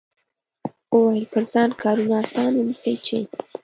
وویل پر ځان کارونه اسانه ونیسئ چې.